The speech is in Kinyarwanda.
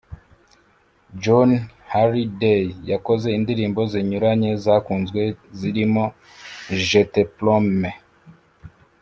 Johnny Hallyday yakoze indirimbo zinyuranye zakunzwe zirimo; Je te promets